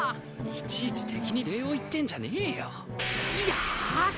いちいち敵に礼を言ってんじゃねえよよし